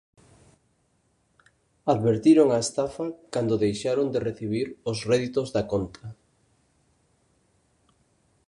Advertiron a estafa cando deixaron de recibir os réditos da conta.